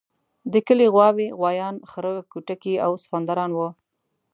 د کلي غواوې، غوایان، خره کوټکي او سخوندران وو.